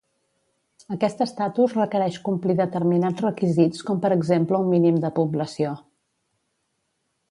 Aquest estatus requereix complir determinats requisits, com per exemple un mínim de població.